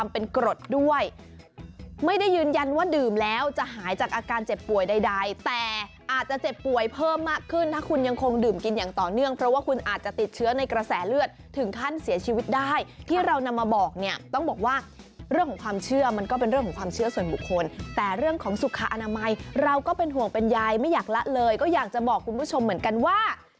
เป็นกรดด้วยไม่ได้ยืนยันว่าดื่มแล้วจะหายจากอาการเจ็บป่วยใดแต่อาจจะเจ็บป่วยเพิ่มมากขึ้นถ้าคุณยังคงดื่มกินอย่างต่อเนื่องเพราะว่าคุณอาจจะติดเชื้อในกระแสเลือดถึงขั้นเสียชีวิตได้ที่เรานำมาบอกเนี่ยต้องบอกว่าเรื่องของความเชื่อมันก็เป็นเรื่องของความเชื่อส่วนบุคคลแต่เรื่องของสุขอนามัยเราก็เป็นห่วงเป็นยายไม่อยากละเลยก็อยากจะบอกคุณผู้ชมเหมือนกันว่า